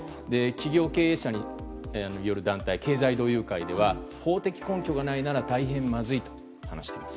企業経営者による団体経済同友会では法的根拠がないなら大変まずいと話しています。